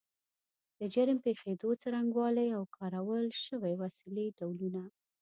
د جرم پیښېدو څرنګوالی او کارول شوې وسلې ډولونه